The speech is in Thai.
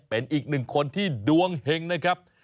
เป็นอีกหนึ่งคนที่ดวงเห็งนะครับ